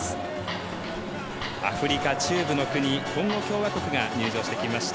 アフリカ中部の国コンゴ共和国が入場してきました。